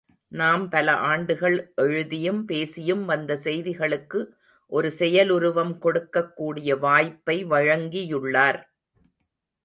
நாம் பல ஆண்டுகள் எழுதியும் பேசியும் வந்த செய்திகளுக்கு ஒரு செயலுருவம் கொடுக்கக் கூடிய வாய்ப்பை வழங்கியுள்ளார்.